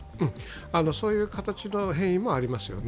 そういう形の変異もありますよね。